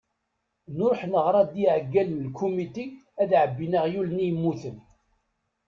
Nruḥ neɣra-d i iɛeggalen n lkumiti ad ɛebbin aɣyul-nni yemmuten.